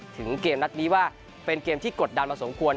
ถึงเกมนัดนี้ว่าเป็นเกมที่กดดันมาสมควร